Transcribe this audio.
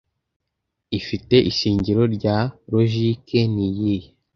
Ifite ishingiro rya logique, niyihe